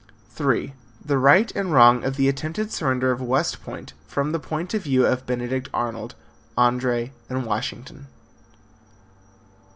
(3) The Right and Wrong of the Attempted Surrender of West Point from the Point of View of Benedict Arnold, Andre and Washington.